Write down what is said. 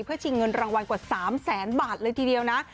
เพื่อชิงเงินรางวัลกว่า๓แสนบาทเลยทีเดียวนะ